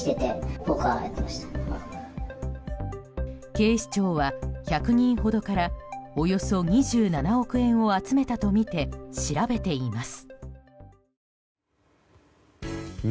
警視庁は１００人ほどからおよそ２７億円を集めたとみて調べています。